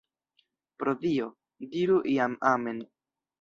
Pro Dio, diru jam amen!